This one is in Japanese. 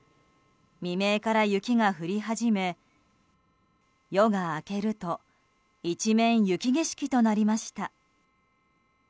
未明から雪が降り始め夜が明けると一面、雪景色となりました。